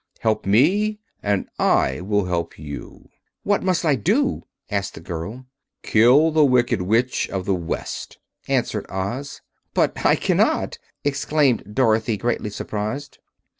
Help me and I will help you." "What must I do?" asked the girl. "Kill the Wicked Witch of the West," answered Oz. "But I cannot!" exclaimed Dorothy, greatly surprised.